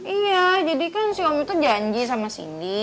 iya jadi kan si om itu janji sama cindy